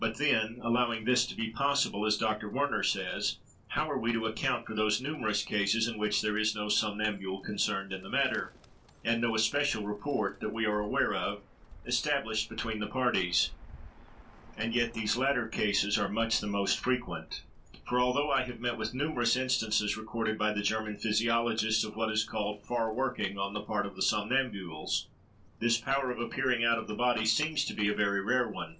But then, allowing this to be possible, as Dr. Werner says, how are we to account for those numerous cases in which there is no somnambule concerned in the matter, and no especial rapport, that we are aware of, established between the parties? And yet these latter cases are much the most frequent; for, although I have met with numerous instances recorded by the German physiologists, of what is called far working on the part of the somnambules, this power of appearing out of the body seems to be a very rare one.